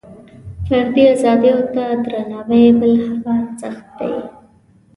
فردي ازادیو ته درناوۍ بل هغه ارزښت دی.